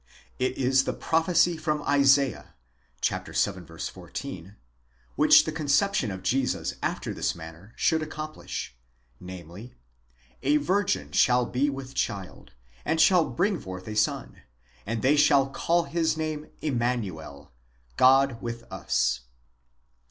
It is the prophecy from Isaiah (chap. vii. 14) which the conception of Jesus after this manner should accomplish: namely, a virgin shall be with child, and shall bring forth a son, and they shall call His name Emmanuel—God with us.